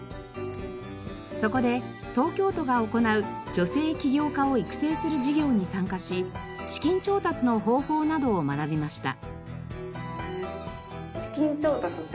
そこで東京都が行う女性起業家を育成する事業に参加し資金調達の方法などを学びました。